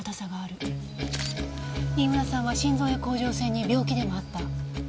飯村さんは心臓や甲状腺に病気でもあった？